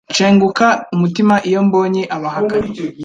Nshenguka umutima iyo mbonye abahakanyi